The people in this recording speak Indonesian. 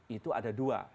itu ada dua